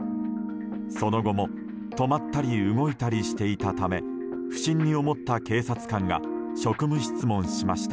その後も、止まったり動いたりしていたため不審に思った警察官が職務質問しました。